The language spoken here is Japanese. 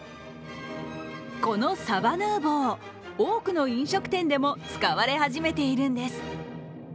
このサバヌーヴォー多くの飲食店でも使われ始めているんです。